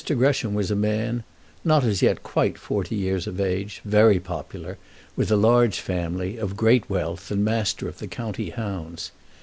Gresham was a man, not as yet quite forty years of age, very popular, with a large family, of great wealth, and master of the county hounds.